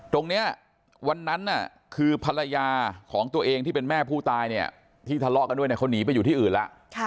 วันนั้นคือภรรยาของตัวเองที่เป็นแม่ผู้ตายเนี่ยที่ทะเลาะกันด้วยเขาหนีไปอยู่ที่อื่นแล้ว